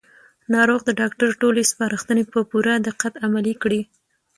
ناروغ د ډاکټر ټولې سپارښتنې په پوره دقت عملي کړې